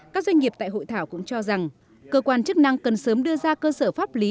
các doanh nghiệp tại hội thảo cũng cho rằng cơ quan chức năng cần sớm đưa ra cơ sở pháp lý